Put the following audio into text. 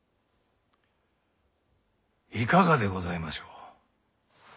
いかがでございましょう？